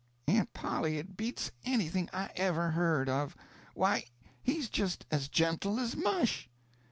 "Aunt Polly, it beats anything I ever heard of. Why, he's just as gentle as mush."